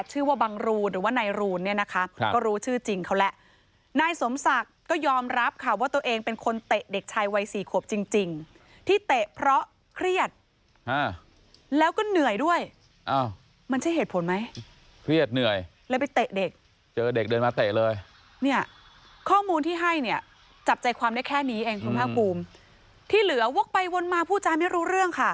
จับใจความได้แค่นี้ที่เหลือวกไปวนมาผู้จ่ายไม่รู้เรื่องค่ะ